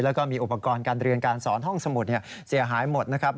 แล้วก็มีอุปกรณ์การเรียนการสอนห้องสมุดเสียหายหมดนะครับ